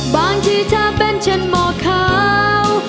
บางทีเธอเป็นฉันหมอขาว